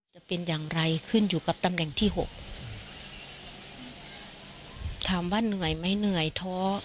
จะเป็นอย่างไรขึ้นอยู่กับตำแหน่งที่หกถามว่าเหนื่อยไหมเหนื่อยท้อ